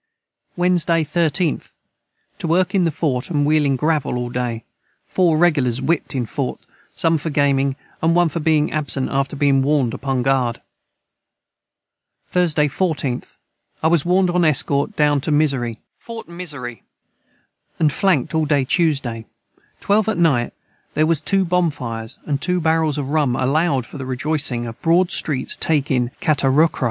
Wednesday 13th. To work in the Fort a wheeling gravel all day 4 regulars whipt in Fort som for gaming & one for being absent after being warned upon guard. Thursday 14th. I was warned on Escort down to Mizzery and flankt all the day Tuesday 12 at night there was 2 Bonfires & 2 Barrels of Rum aloud for the Rejoicing of Broad Street's taking Catarocrway.